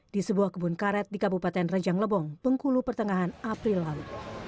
di sebuah kebun karet di kabupaten rejang lebong bengkulu pertengahan april lalu